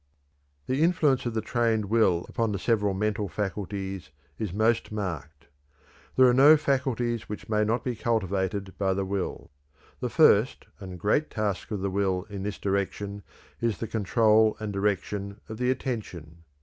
The influence of the trained will upon the several mental faculties is most marked. There are no faculties which may not be cultivated by the will. The first and great task of the will in this direction is the control and direction of the attention.